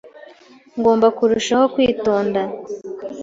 Ngomba kurushaho kwitonda.